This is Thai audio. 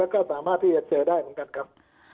ก็สามารถที่จะเจอได้เหมือนกันครับ